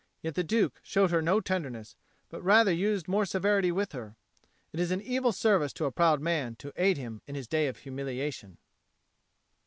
Yet the Duke showed her no tenderness, but rather used more severity with her. It is an evil service to a proud man to aid him in his day of humiliation.